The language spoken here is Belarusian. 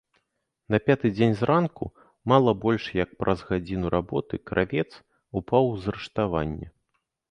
На пяты дзень зранку, мала больш як праз гадзіну работы, кравец упаў з рыштавання.